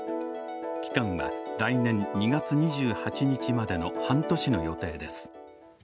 期間は来年２月２８日までの半年の予定です。